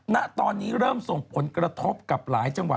ณตอนนี้เริ่มส่งผลกระทบกับหลายจังหวัด